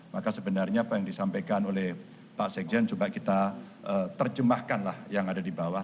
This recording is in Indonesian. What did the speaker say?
maka sebenarnya apa yang disampaikan oleh pak sekjen coba kita terjemahkan lah yang ada di bawah